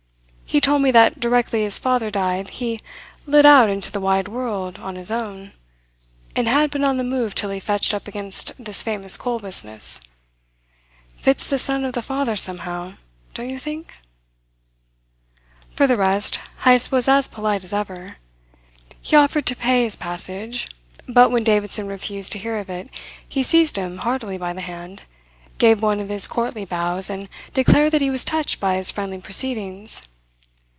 He told me that directly his father died he lit out into the wide world on his own, and had been on the move till he fetched up against this famous coal business. Fits the son of the father somehow, don't you think?" For the rest, Heyst was as polite as ever. He offered to pay for his passage; but when Davidson refused to hear of it he seized him heartily by the hand, gave one of his courtly bows, and declared that he was touched by his friendly proceedings.